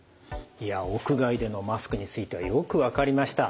いや屋外でのマスクについてはよく分かりました。